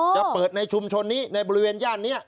จะเปิดในชุมชนนี้ในบริเวณย่านนี้